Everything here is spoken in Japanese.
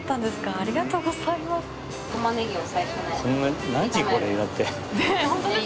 ありがとうございます。